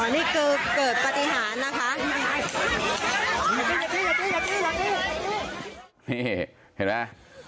นี่เห็นไหม